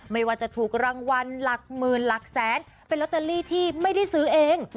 ไม่ว่าจะถูกรางวัลหลักหมื่นหลักแสนเป็นลอตเตอรี่ที่ไม่ได้ซื้อเอง